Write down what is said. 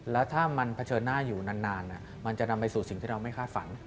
แล้วถ้ามันเผชิญหน้าอยู่นานมันจะนำไปสู่สิ่งที่เราไม่คาดฝัน